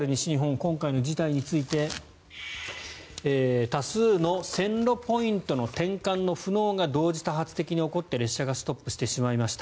今回の事態について多数の線路ポイントの転換の不能が同時多発的に起こって列車がストップしてしまいました